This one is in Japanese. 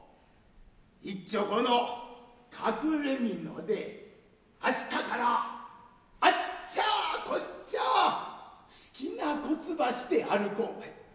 いっちょこの隠れ蓑であしたからあっちャこっちャ好きな事ばして歩こうばい。